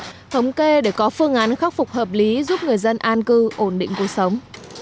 thống kê để có phương án khắc phục hợp lý giúp người dân an cư ổn định cuộc sống